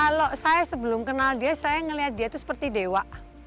kalau saya sebelum kenal dia saya melihat dia itu seperti dewa